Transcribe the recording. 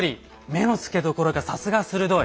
目のつけどころがさすが鋭い。